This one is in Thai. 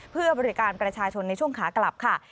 เพื่อบริการประชาชนในช่วงขากลับค่ะ